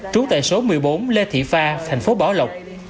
nguyễn thị thương trú tại số một mươi bốn lê thị pha tp bảo lộc